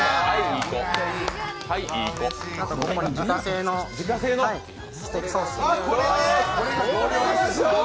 自家製のステーキソース。